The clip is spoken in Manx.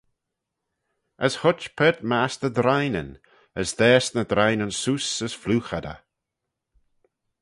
As huitt paart mastey drineyn: as daase ny drineyn seose as phloogh ad eh.